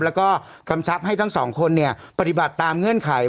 แล้วก็กำชับให้ทั้งสองคนปฏิบัติตามเงื่อนไข